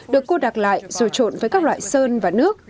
được cô đặc lại rồi trộn với các loại sơn và nước